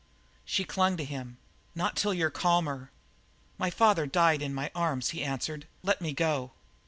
She clung to him. "Not till you're calmer." "My father died in my arms," he answered; "let me go."